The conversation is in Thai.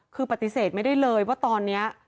คือปฏิเสธไม่ได้เลยว่าตอนนี้